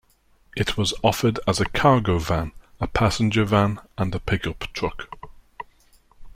It was offered as a cargo van, a passenger van, and a pickup truck.